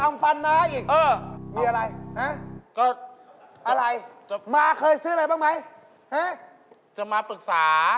รู้อะไรอยู่ในปาก